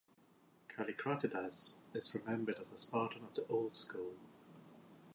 Callicratidas is remembered as a Spartan of the old school.